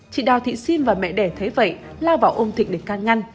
chị đào thị sim và mẹ đẻ thấy vậy lao vào ôm thịnh để can ngăn